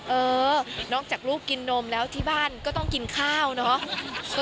เออนอกจากลูกกินนมแล้วที่บ้านก็ต้องกินข้าวเนอะ